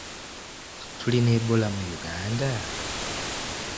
Tulina Ebola mu Uganda?